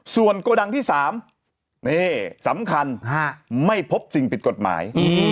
ส่วนโกดังที่๓นี่สำคัญไม่พบสิ่งผิดกฎหมาย